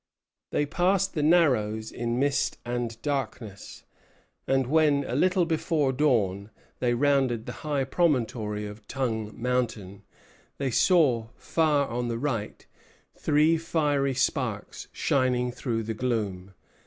They passed the Narrows in mist and darkness; and when, a little before dawn, they rounded the high promontory of Tongue Mountain, they saw, far on the right, three fiery sparks shining through the gloom.